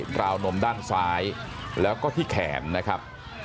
ราวนมด้านซ้ายแล้วก็ที่แขนนะครับ